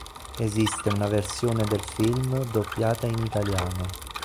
Esiste una versione del film doppiata in italiano.